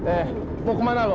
eh mau kemana lo